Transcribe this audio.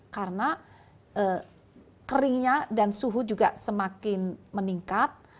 karena keringnya dan suhu juga semakin meningkat